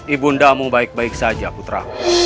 ibu ndamu baik baik saja putra